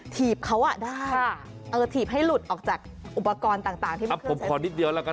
ถีบเขาได้ถีบให้หลุดออกจากอุปกรณ์ต่างที่ไม่เคลื่อนใช้ผมขอนิดเดียวแล้วกัน